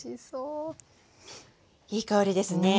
いい香りですね。